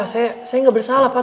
saya gak bersalah pak